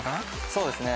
そうですね